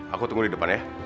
aku tunggu di depan ya